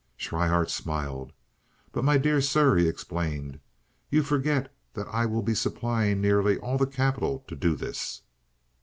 Schryhart smiled. "But, my dear sir," he explained, "you forget that I will be supplying nearly all the capital to do this."